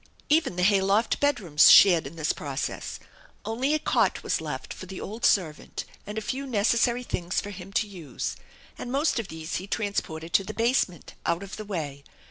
Even the hay loft bedrooms shared iiv this process. Only a cot was left for the old servant and a few necessary things for him to use, and most of these he trans ported to the basement out of the way.